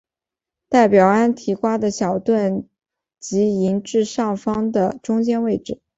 代表安提瓜的小盾即移至上方的中间位置。